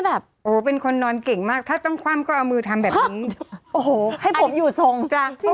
บางทีภูมิกันบอกว่าทำไมต้องไป